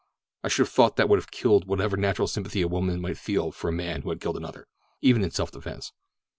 I should have thought that would have killed whatever natural sympathy a woman might feel for a man who had killed another, even in self defense.